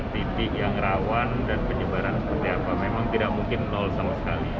titik yang rawan dan penyebaran seperti apa memang tidak mungkin nol sama sekali